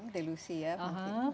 delusi ya mungkin